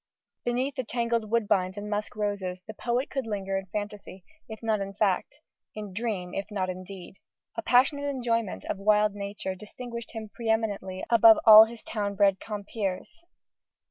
Beneath the tangled woodbines and musk roses, the poet could linger in fantasy, if not in fact, in dream, if not in deed. A passionate enjoyment of wild nature distinguished him pre eminently above all his town bred compeers.